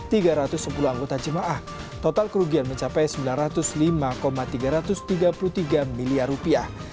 tiga pemilik biro travel dikenal dengan penipuan yang terbesar adalah penipuan yang terbesar